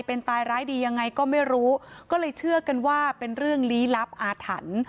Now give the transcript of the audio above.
เป็นตายร้ายดียังไงก็ไม่รู้ก็เลยเชื่อกันว่าเป็นเรื่องลี้ลับอาถรรพ์